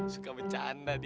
suka bercanda dia